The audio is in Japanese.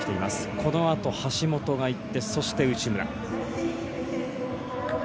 このあと、橋本がいってそして、内村。